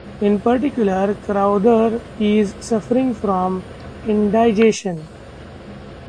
In particular, Crowther is suffering from indigestion.